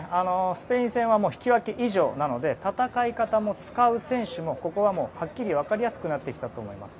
スペイン戦は引き分け以上なので戦い方も使う選手もここは、はっきり分かりやすくなってきたと思います。